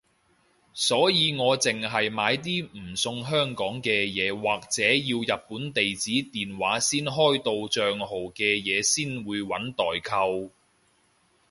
所以我淨係買啲唔送香港嘅嘢或者要日本地址電話先開到帳號嘅嘢先會搵代購